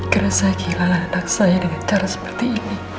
kerasa gila anak saya dengan cara seperti ini